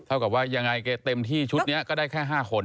เท่ากับว่าเต็มที่ชุดนี้ได้แค่๕คน